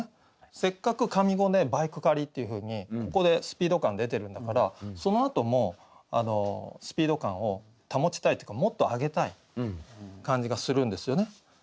せっかく上五で「バイク駆り」っていうふうにここでスピード感出てるんだからそのあともスピード感を保ちたいっていうかもっと上げたい感じがするんですよね。